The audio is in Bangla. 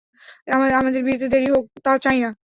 আমাদের বিয়েতে দেরি হোক তা চাই না।